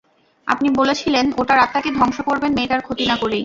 আপনি বলেছিলেন, ওটার আত্নাকে ধ্বংস করবেন মেয়েটার ক্ষতি না করেই!